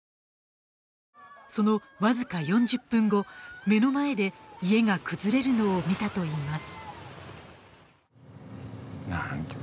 そのわずか４０分後目の前で家が崩れるのを見たといいます